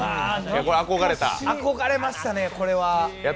憧れましたね、これは。